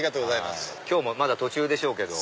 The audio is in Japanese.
今日もまだ途中でしょうけど。